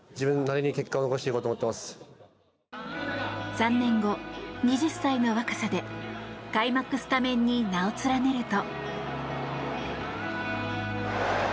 ３年後、２０歳の若さで開幕スタメンに名を連ねると。